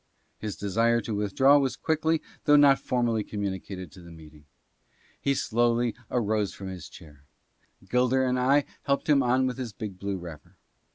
His desire to withdraw was quickly though not formally commu nicated to the meeting. He slowly arose from his chair; Gilder and I helped him on with his big blue wrapper.